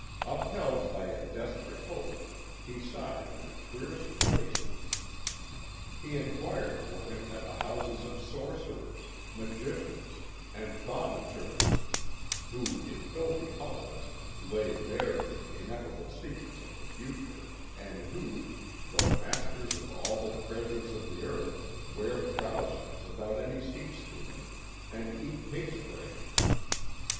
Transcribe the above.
Upheld by a desperate hope, he sought him in the queerest places. He enquired for him at the houses of sorcerers, magicians, and thaumaturgists, who in filthy hovels lay bare the ineffable secrets of the future, and who, though masters of all the treasures of the earth, wear trousers without any seats to them, and eat pigs' brains.